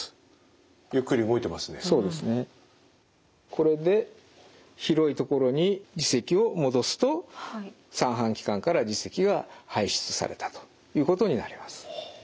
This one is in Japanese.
これで広い所に耳石を戻すと三半規管から耳石が排出されたということになります。